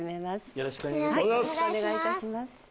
よろしくお願いします。